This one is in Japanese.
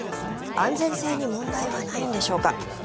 安全性に問題はないんでしょうか。